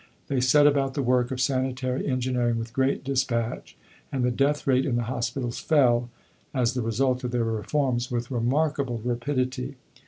They set about the work of sanitary engineering with great dispatch, and the death rate in the hospitals fell, as the result of their reforms, with remarkable rapidity.